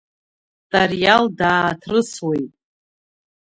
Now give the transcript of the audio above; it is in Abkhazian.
Тариал дааҭрысуеит.